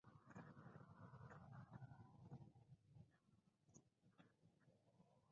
Reinforcements were sent to them from Madrid.